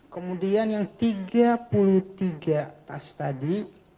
kemudian yang tiga puluh tiga tas tadi